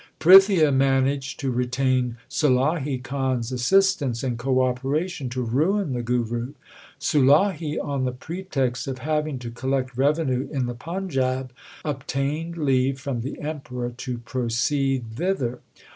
Prithia managed to retain Sulahi Khan s assistance and co operation to ruin the Guru. Sulahi, on the pretext of having to collect revenue in the Panjab, obtained leave from the Emperor to proceed thither.